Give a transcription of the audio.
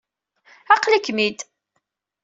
Aql-ikem-id.